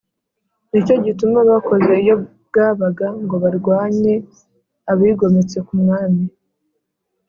nicyo gituma bakoze iyo bwabaga ngo barwanye abigometse ku mwami